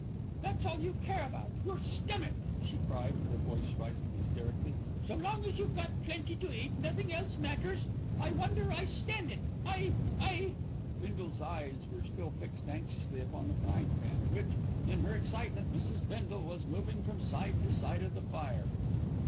"That's all you care about, your stomach," she cried, her voice rising hysterically. "So long as you've got plenty to eat, nothing else matters. I wonder I stand it. I I " Bindle's eyes were still fixed anxiously upon the frying pan, which, in her excitement, Mrs. Bindle was moving from side to side of the fire.